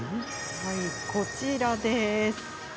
こちらです。